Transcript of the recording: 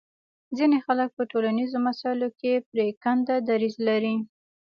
ځینې خلک په ټولنیزو مسایلو کې پرېکنده دریځ لري